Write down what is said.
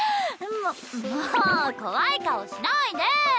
ももう怖い顔しないで！